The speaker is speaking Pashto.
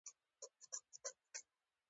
په اسلام کې انسان ځانګړي درناوي څخه برخمن دی.